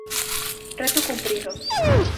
Reto cumprido.